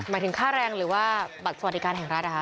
หมายถึงค่าแรงหรือว่าบัตรสวัสดิการแห่งรัฐเหรอคะ